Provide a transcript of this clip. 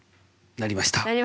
なりました。